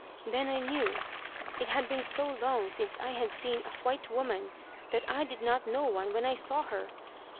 Then I knew. It had been so long since I had seen a white woman that I did not know one when I saw her.